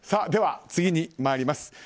では次にまいります。